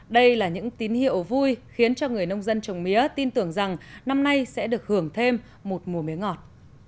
đây là những tín hiệu vui khiến cho người nông dân trồng mía tin tưởng rằng năm nay sẽ được hưởng thêm một mùa mía ngọt